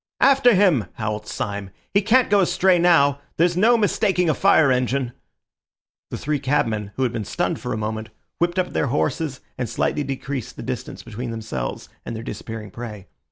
"After him!" howled Syme. "He can't go astray now. There's no mistaking a fire engine." The three cabmen, who had been stunned for a moment, whipped up their horses and slightly decreased the distance between themselves and their disappearing prey.